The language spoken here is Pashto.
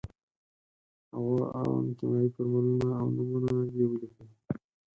هغو اړوند کیمیاوي فورمولونه او نومونه دې ولیکي.